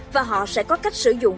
và họ sẽ có cách sử dụng